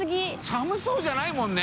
寒そうじゃないもんね。